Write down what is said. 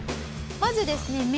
まずですね